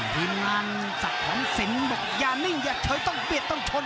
ทีมงานศักดิ์ของสินบอกอย่านิ่งอย่าเฉยต้องเบียดต้องชน